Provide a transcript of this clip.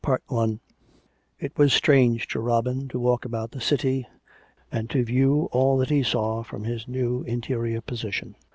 CHAPTER II It was strange to Robin to walk about the City, and to view all that he saw from his new interior position.